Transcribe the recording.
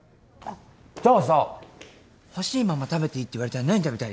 じゃあさほしいまま食べていいって言われたら何食べたい？